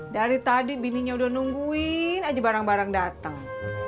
dari tadi bininya udah nungguin aja barang barang datang